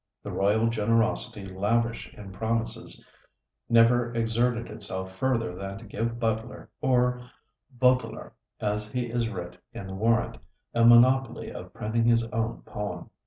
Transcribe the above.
The royal generosity, lavish in promises, never exerted itself further than to give Butler or Boteler, as he is writ in the warrant a monopoly of printing his own poem.